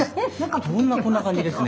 どんなこんな感じですね。